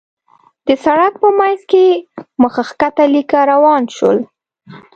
د سړک په مينځ کې مخ کښته ليکه روان شول.